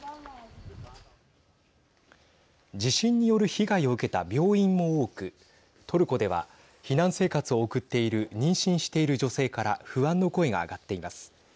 地震による被害を受けた病院も多くトルコでは避難生活を送っている妊娠している女性から不安の声が上がっています。